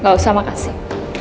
gak usah makasih